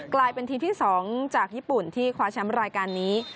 กลายเป็นทีมที่๒จากญี่ปุ่นที่คว้าแชมป์รายการนี้